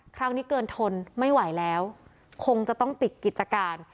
ครั้งนี้เกินทนไม่ไหวแล้วคงจะต้องปิดกิจการ